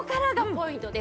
ポイントだ。